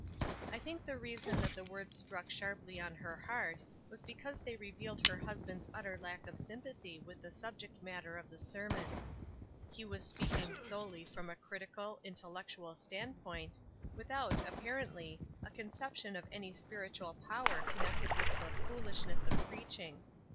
I think the reason that the words struck sharply on her heart was bejpause they revealed her husband's utter lack of sym pathy with the subject matter of the sermon. He was speaking solely from a critical, intellec tual standpoint, without, apparently, a concep tion of any spiritual power connected with the "foolishness of preaching."